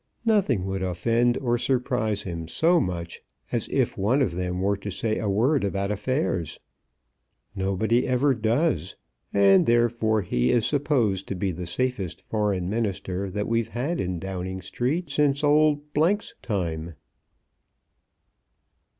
Nothing would offend or surprise him so much as if one of them were to say a word about affairs. Nobody ever does, and therefore he is supposed to be the safest Foreign Minister that we've had in Downing Street since old 's time."